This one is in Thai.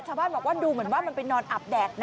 ชาวบ้านบอกว่าดูเหมือนว่ามันไปนอนอาบแดดนะ